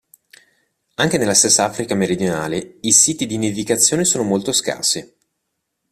Anche nella stessa Africa meridionale i siti di nidificazione sono molto scarsi.